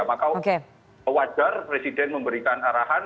maka wajar presiden memberikan arahan